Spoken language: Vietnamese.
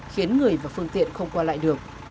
khiến người và phương tiện không qua lại được